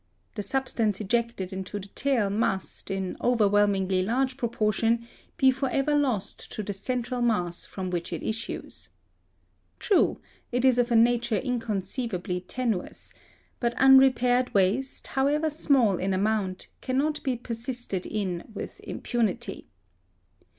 The substance ejected into the tail must, in overwhelmingly large proportion, be for ever lost to the central mass from which it issues. True, it is of a nature inconceivably tenuous; but unrepaired waste, however small in amount, cannot be persisted in with impunity.